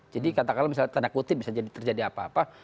jadi katakanlah misalnya tanda kutip bisa terjadi apa apa